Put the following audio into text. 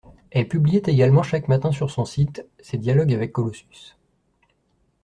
Elle publiait également chaque matin sur son site ses dialogues avec Colossus.